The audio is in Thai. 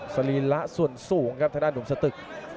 สรีระส่วนสูงครับทางด้านหนุ่มสตึก